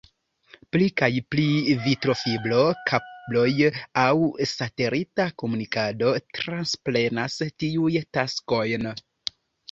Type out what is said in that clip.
Pli kaj pli vitrofibro-kabloj aŭ satelita komunikado transprenas tiuj taskojn.